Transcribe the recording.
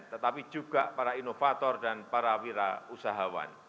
tetapi juga para inovator dan para wira usahawan